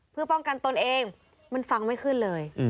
เพื่อป้องกันตนเองมันฟังไม่ขึ้นเลย